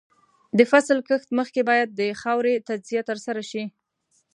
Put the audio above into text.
د فصل کښت مخکې باید د خاورې تجزیه ترسره شي.